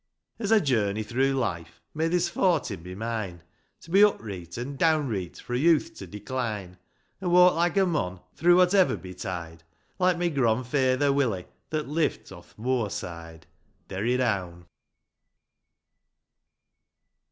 VIII. As I journey through life May this fortin be mine, To be upreet an' downreet Fro' youth to decline : An' walk like a mon, Through whatever betide, Like my gronfaither, Willie, That live'to'th moorside. Derry down.